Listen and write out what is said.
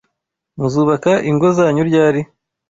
Muzubaka ingo zanyu ryari?